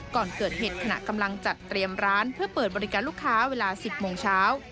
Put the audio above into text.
ก่อนเกิดเหตุขณะกำลังจัดเตรียมร้านเพื่อเปิดบริการลูกค้าเวลา๑๐โมงเช้า